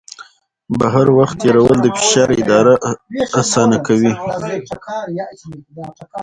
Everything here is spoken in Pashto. بهر وخت تېرول د فشار اداره اسانه کوي.